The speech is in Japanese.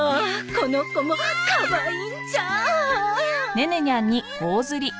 この子もかわいいんじゃ。